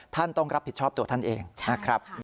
ต้องรับผิดชอบตัวท่านเองนะครับ